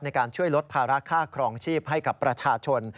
ในการช่วยลดภาระค่าครองชีพให้กับประชาชน